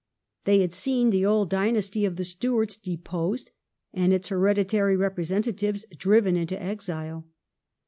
They had seen the old dynasty of the Stuarts deposed and its hereditary representatives driven into exile.